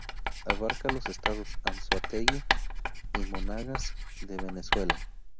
Abarca los estados Anzoátegui y Monagas de Venezuela.